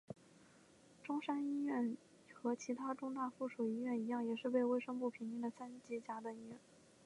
中山一院和其它中大附属医院一样也是被卫生部评定的三级甲等医院。